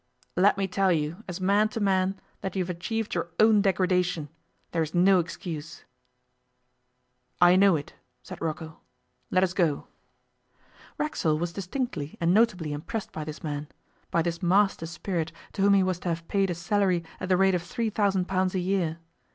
'Let me tell you, as man to man, that you have achieved your own degradation. There is no excuse.' 'I know it,' said Rocco. 'Let us go.' Racksole was distinctly and notably impressed by this man by this master spirit to whom he was to have paid a salary at the rate of three thousand pounds a year.